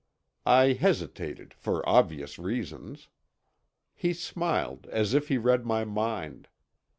I hesitated, for obvious reasons. He smiled, as if he read my mind.